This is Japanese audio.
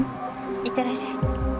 いってらっしゃい。